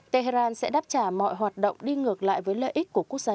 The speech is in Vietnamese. tehran sẽ đáp trả mọi hoạt động đi ngược lại với lợi ích của quốc gia